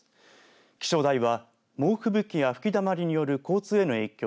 気象台は猛吹雪や吹きだまりによる交通への影響